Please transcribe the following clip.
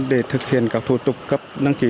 để thực hiện các thủ tục cấp đăng ký